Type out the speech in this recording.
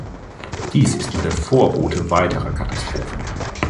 Dies ist nur der Vorbote weiterer Katastrophen.